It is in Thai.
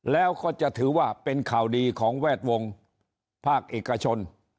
แล้วก็จะถือว่าเป็นข่าวดีของแวดวงภาคเอกชน